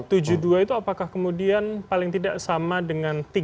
tapi tujuh dua itu apakah kemudian paling tidak sama dengan tiga enam tadi